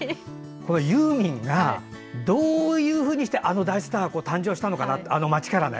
ユーミンがどういうふうにしてあの大スターが誕生したのかな、あの街からね。